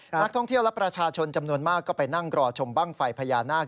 นักท่องเที่ยวและประชาชนจำนวนมากก็ไปนั่งรอชมบ้างไฟพญานาค